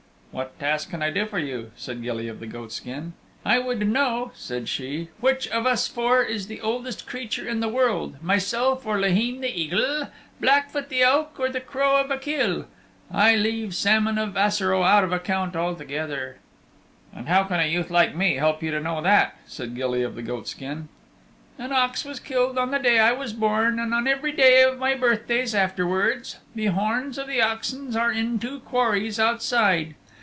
"What task can I do for you?" said Gilly of the Goatskin. "I would know," said she, "which of us four is the oldest creature in the world myself or Laheen the Eagle, Blackfoot the Elk or the Crow of Achill I leave the Salmon of Assaroe out of account altogether." "And how can a youth like me help you to know that?" said Gilly of the Goatskin. "An ox was killed on the day I was born and on every one of my birthdays afterwards. The horns of the oxen are in two quarries outside.